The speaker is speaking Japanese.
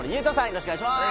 よろしくお願いします。